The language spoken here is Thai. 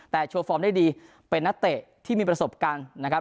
แต่โชว์ฟอร์มได้ดีเป็นนักเตะที่มีประสบการณ์นะครับ